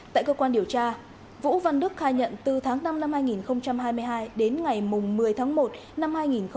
tại cơ quan điều tra vũ văn đức khai nhận từ tháng năm năm hai nghìn hai mươi hai đến ngày một mươi tháng một năm hai nghìn hai mươi ba